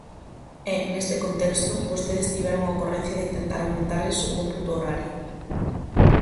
E, neste contexto, vostedes tiveron a ocorrencia de intentar aumentarlles o cómputo horario.